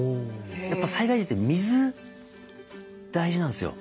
やっぱ災害時って水大事なんですよ。